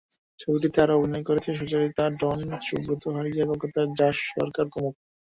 ছবিটিতে আরও অভিনয় করেছেন সুচরিতা, ডন, সুব্রত, ফারিয়া, কলকাতার জাস সরকার প্রমুখ।